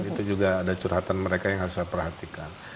itu juga ada curhatan mereka yang harus saya perhatikan